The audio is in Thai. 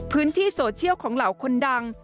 พื้นที่โซเชียลของเหล่าคนดัง